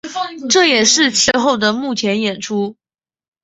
这也是齐达内最后的幕前演出。